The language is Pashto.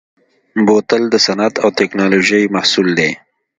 بوتل د صنعت او تکنالوژۍ محصول دی.